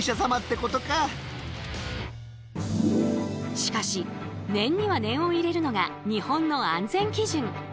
しかし念には念を入れるのが日本の安全基準。